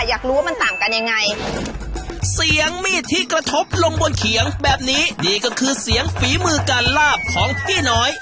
อยากรู้ว่ามันต่างกันยังไงเสียงมีดที่กระทบลงบนเขียงแบบนี้นี่ก็คือเสียงฝีมือการลาบของพี่น้อย